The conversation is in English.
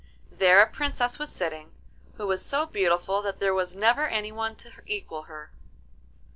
There a Princess was sitting, who was so beautiful that there was never anyone to equal her.